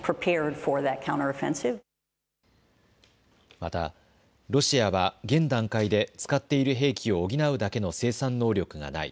またロシアは現段階で使っている兵器を補うだけの生産能力がない。